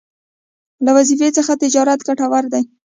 له وظيفې څخه تجارت ګټور دی